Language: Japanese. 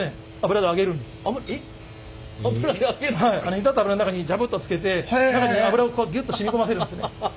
煮立った油の中にジャブッとつけて中に油をギュッと染み込ませるんですね。